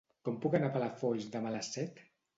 Com puc anar a Palafolls demà a les set?